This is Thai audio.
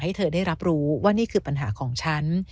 ให้เธอได้รับรู้ว่านี่คือปัญหาของฉัน